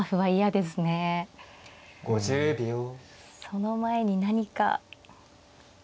その前に何か。